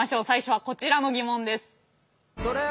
最初はこちらのギモンです。